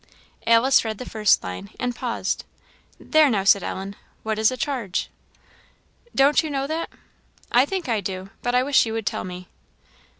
" Alice read the first line, and paused. "There, now," said Ellen "what is a charge?" "Don't you know that?" "I think I do, but I wish you would tell me."